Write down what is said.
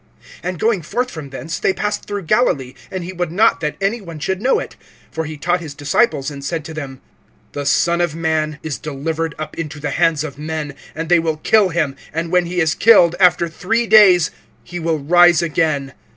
(30)And going forth from thence, they passed through Galilee and he would not that any one should know it. (31)For he taught his disciples, and said to them: The Son of man is delivered up into the hands of men, and they will kill him and when he is killed, after three days he will rise again.